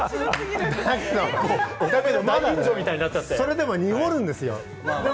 それでも濁るんですよ？